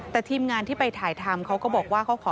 แต่ทีมงานที่ไปถ่ายทำเขาก็บอกว่าเขาขอ